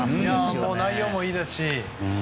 内容もいいですし。